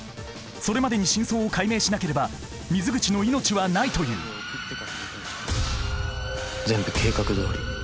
それまでに真相を解明しなければ水口の命はないという全部計画どおり。